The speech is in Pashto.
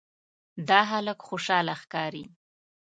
دا هلک خوشاله ښکاري.